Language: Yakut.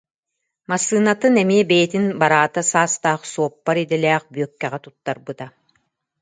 Массыынатын эмиэ бэйэтин бараата саастаах суоппар идэлээх Бүөккэҕэ туттарбыта